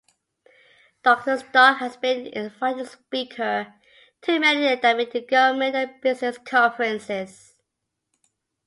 Doctor Stock has been an invited speaker to many academic, government and business conferences.